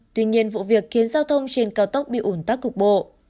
tuy nhiên vụ việc khiến giao thông trên cao tốc bị ủn tắc cục bộ